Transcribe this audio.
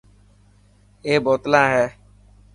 اي بوتلنا هي .